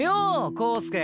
浩介。